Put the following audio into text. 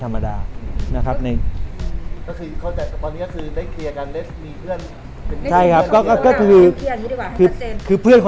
เรามาเจอคนไม่แบบเอาเปรียบเราหรืออะไรเงี้ย